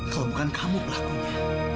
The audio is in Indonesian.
kalau bukan kamu pelakunya